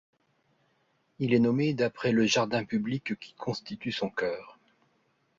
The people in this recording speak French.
Il est nommé d'après le jardin public qui constitue son cœur.